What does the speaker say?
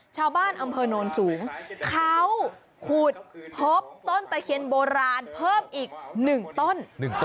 ชาวบ้านอำเภอโนนสูงเขาขุดพบต้นตะเคียนโบราณเพิ่มอีก๑ต้น